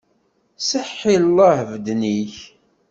Seḥḥi llah, beden-ik!